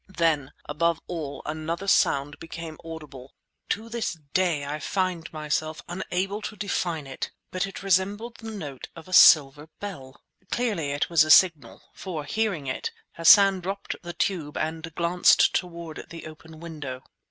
Then, above all, another sound became audible. To this day I find myself unable to define it; but it resembled the note of a silver bell. Clearly it was a signal; for, hearing it, Hassan dropped the tube and glanced toward the open window.